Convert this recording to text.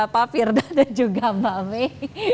pak firna dan juga mbak may